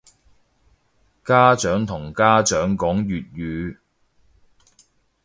家長同家長講粵語